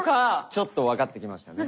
ちょっと分かってきましたね。